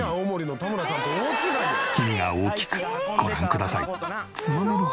黄身が大きくご覧ください！